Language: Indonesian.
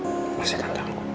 terima kasih tante